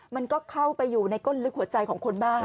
มันก็เข้าไปอยู่ในก้นลึกหัวใจของคนบ้าง